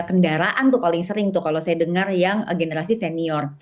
kendaraan tuh paling sering tuh kalau saya dengar yang generasi senior